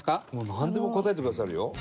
なんでも答えてくださるよ。